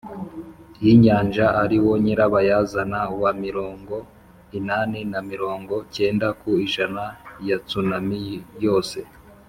yinyanja ariwo nyirabayazana wa mirongo inani na mirongo cyenda ku ijana ya tsunami yose.